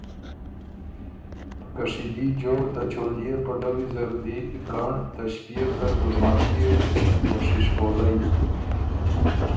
په کشیدي جوړ ته چولئے پلوي زره دی ګنړ ته ݭپيېو زر ګُلماخئے او شِشپولئ